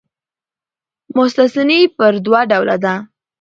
مستثنی پر دوه ډوله ده.